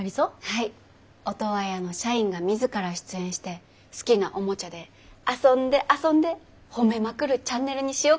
はいオトワヤの社員が自ら出演して好きなおもちゃで遊んで遊んで褒めまくるチャンネルにしようかと。